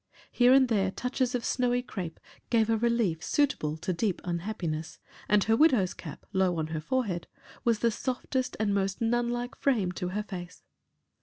Here and there touches of snowy crepe gave a relief suitable to deep unhappiness and her widow's cap, low on the forehead, was the softest and most nun like frame to her face.